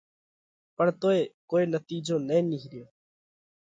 پڻ توئي ڪوئي نتِيجو نہ نِيهريو۔